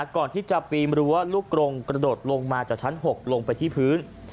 ก่อนที่จะปีนรั้วลูกกรงกระโดดลงมาจากชั้น๖ลงไปที่พื้น